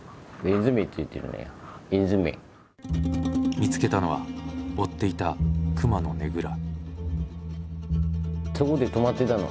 見つけたのは追っていた熊のねぐら。